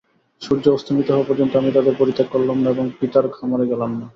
সূর্য অস্তমিত হওয়া পর্যন্ত আমি তাদের পরিত্যাগ করলাম না এবং পিতার খামারে গেলাম না।